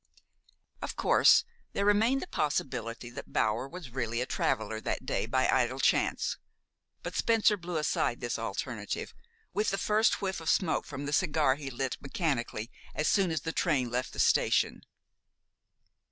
Of course, there remained the possibility that Bower was really a traveler that day by idle chance; but Spencer blew aside this alternative with the first whiff of smoke from the cigar he lit mechanically as soon as the train left the station.